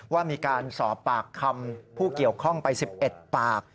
ว่ามีการสอบปากคำผู้เกี่ยวข้องไป๑๑ปาก